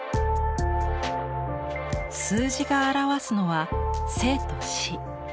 数字が表すのは生と死。